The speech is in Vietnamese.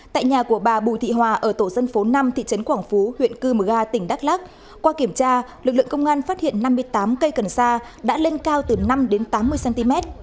tại nhà của bà bùi thị hòa ở tổ dân phố năm thị trấn quảng phú huyện cư mờ ga tỉnh đắk lắc qua kiểm tra lực lượng công an phát hiện năm mươi tám cây cần sa đã lên cao từ năm đến tám mươi cm